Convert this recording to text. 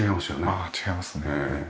ああ違いますね。